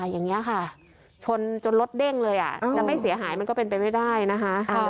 อย่างนี้ค่ะชนจนรถเด้งเลยแล้วไม่เสียหายมันก็เป็นไปไม่ได้นะคะ